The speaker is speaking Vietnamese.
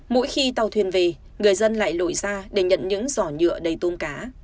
mỗi khi tàu thuyền về người dân lại lội ra để nhận những giỏ nhựa đầy tôm cá